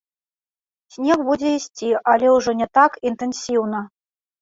Снег будзе ісці, але ўжо не так інтэнсіўна.